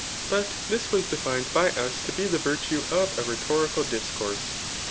But thn was defined by us to be die virtue of a rhetorical discourse.